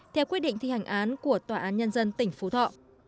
theo quyết định thi hành án của tòa án nhân dân tỉnh phú thọ